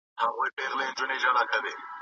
ولي کورني شرکتونه خوراکي توکي له چین څخه واردوي؟